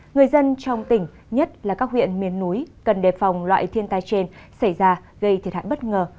người dân trong tỉnh nhất là các huyện miền núi cần đề phòng loại thiên tai trên xảy ra gây thiệt hại bất ngờ